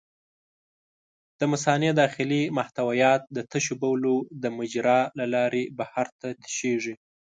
د مثانې داخلي محتویات د تشو بولو د مجرا له لارې بهر ته تشېږي.